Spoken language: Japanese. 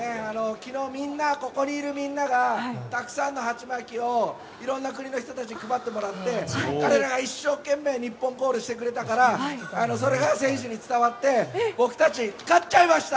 昨日、ここにいるみんながたくさんのハチマキをいろいろな国の人たちに配ってもらって、彼らが一生懸命日本コールしてくれたからそれが選手に伝わって僕たち、勝っちゃいました！